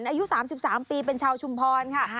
อายุ๓๓ปีเป็นชาวชุมพรค่ะ